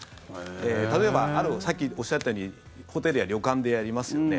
例えばさっきおっしゃったようにホテルや旅館でやりますよね。